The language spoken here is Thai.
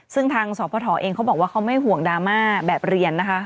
ซึ่งทางสพเองเขาบอกว่าเขาไม่ห่วงดราม่าแบบเรียนนะคะ